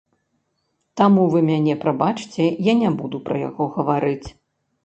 Таму вы мяне прабачце, я не буду пра яго гаварыць.